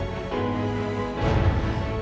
apa maksudmu sunan